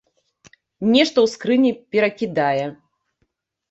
Нешта ў скрыні перакідае.